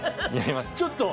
ちょっと。